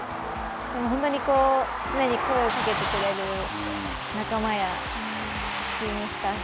本当にこう、常に声かけてくれる仲間やチームスタッフ。